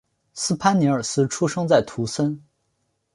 斯潘尼尔斯出生在图森。